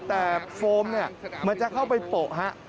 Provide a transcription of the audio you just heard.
แต่โฟมมันจะเข้าไปโปะ